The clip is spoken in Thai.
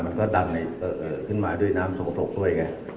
มันก็กกดันเบอ่อ่ะเอ้อเอ่อขึ้นมาด้วยน้ำสมบุรคด้วยเอง